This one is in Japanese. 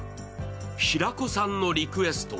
平子さんのリクエストは？